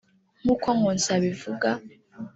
nk’uko Nkusi abivuga